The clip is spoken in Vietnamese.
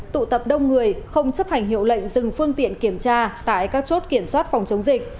tụ tập đông người không chấp hành hiệu lệnh dừng phương tiện kiểm tra tại các chốt kiểm soát phòng chống dịch